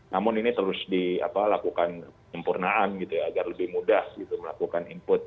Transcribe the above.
namun ini terus dilakukan penyempurnaan gitu ya agar lebih mudah melakukan input